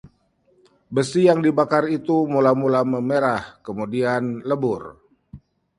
besi yang dibakar itu mula-mula memerah kemudian lebur